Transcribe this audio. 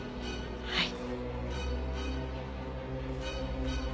はい。